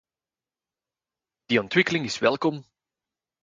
Die ontwikkeling is welkom.